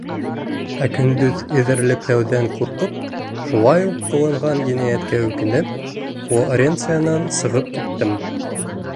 Ә көндөҙ эҙәрлекләүҙән ҡурҡып, шулай уҡ ҡылынған енәйәткә үкенеп, Флоренциянан сығып киттем.